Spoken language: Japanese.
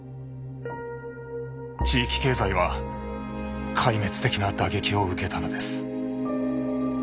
地域経済は壊滅的な打撃を受けたのです。